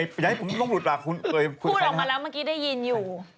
พูดออกมาแล้วเมื่อกี้ได้ยินอยู่